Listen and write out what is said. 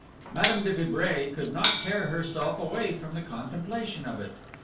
Madame de Vibray could not tear herself away from the contemplation of it.